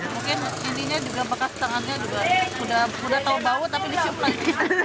mungkin ini juga bekas tangannya juga udah tahu bau tapi disipat